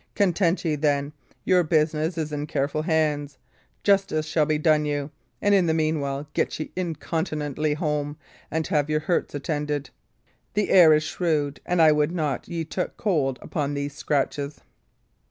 Content ye, then; your business is in careful hands; justice shall be done you; and in the meanwhile, get ye incontinently home, and have your hurts attended. The air is shrewd, and I would not ye took cold upon these scratches."